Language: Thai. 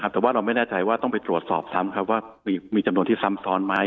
แต่ว่าเราไม่แน่ใจว่าต้องไปตรวจสอบซ้ำครับว่ามีจำนวนที่ซ้ำซ้อนไหม